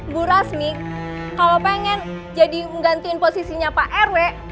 bu rasmi kalau pengen jadi mengganti posisinya pak r w